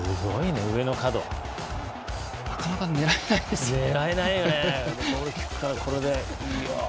なかなか狙えないですよね。